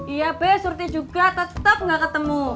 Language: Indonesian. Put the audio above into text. iya be suratnya juga tetep gak ketemu